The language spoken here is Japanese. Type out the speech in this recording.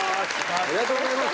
ありがとうございます！